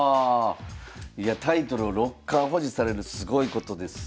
いやタイトルを六冠保持されるのすごいことです。